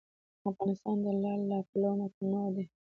افغانستان د لعل له پلوه متنوع دی.